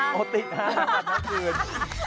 ติด๕นาทีทุกนาที